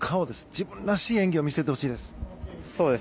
自分らしい演技を見せてほしいです。